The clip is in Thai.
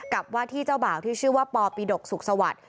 กับว่าที่เจ้าบ่าวชื่อว่าปปีดกสุขศวรรษ